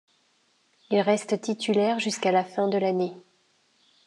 Il reste titulaire jusqu'à la fin de l'année.